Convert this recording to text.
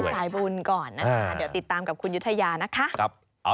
สายบุญก่อนนะคะเดี๋ยวติดตามกับคุณยุธยานะคะ